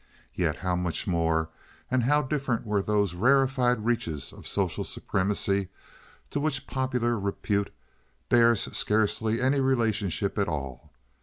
Yet how much more, and how different were those rarefied reaches of social supremacy to which popular repute bears scarcely any relationship at all.